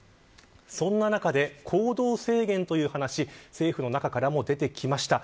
そんな中で行動制限という話政府の中からも出てきました。